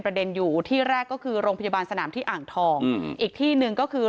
อยู่ที่แรกก็คือโรงพยาบาลสนามที่อ่างทองอีกที่หนึ่งก็คือ